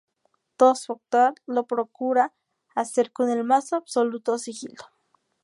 Todo su actuar lo procura hacer con el más absoluto sigilo.